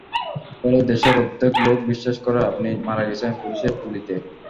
ফলে দেশের অর্ধেক লোক বিশ্বাস করে, আপনি মারা গেছেন পুলিশের গুলিতে।